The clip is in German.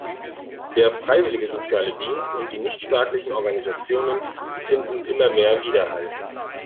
Der freiwillige soziale Dienst und die nichtstaatlichen Organisationen finden immer mehr Widerhall.